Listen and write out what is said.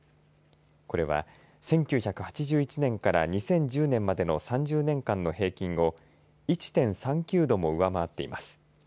これは１９８１年から２０１０年までの３０年間の平均を１．３９度も上回っています。